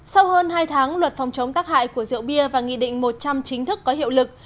sau hơn hai tháng luật phòng chống tác hại của rượu bia và nghị định một trăm linh chính thức có hiệu lực